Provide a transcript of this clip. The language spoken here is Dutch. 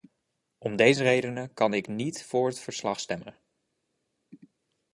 Om deze redenen kan ik niet voor het verslag stemmen.